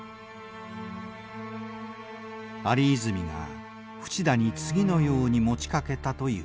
有泉が淵田に次のように持ちかけたという。